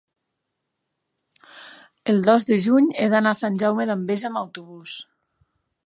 el dos de juny he d'anar a Sant Jaume d'Enveja amb autobús.